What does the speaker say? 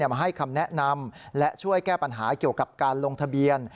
มาให้คำแนะนำและช่วยแก้ปัญหาเกี่ยวกับการลงทะเบียน